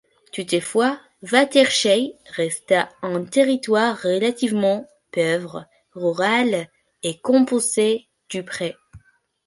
Toutefois, Waterschei resta un territoire relativement pauvre, rural et composée de prés.